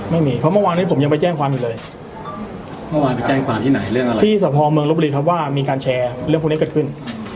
ไม่มีเพราะเมื่อวานนี้ผมยังไปแจ้งความอยู่เลยเมื่อวานไปแจ้งความที่ไหนเรื่องอะไรที่สะพอเมืองลบบุรีครับว่ามีการแชร์เรื่องพวกนี้เกิดขึ้น